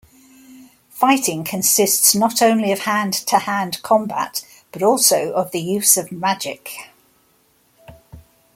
Fighting consists not only of hand-to-hand combat but also of the use of magic.